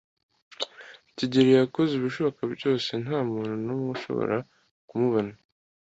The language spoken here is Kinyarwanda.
kigeli yakoze ibishoboka byose ntamuntu numwe ushobora kumubona.